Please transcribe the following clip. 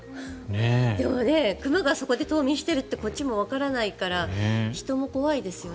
でも、熊がそこで冬眠しているってこっちもわからないから人も怖いですよね。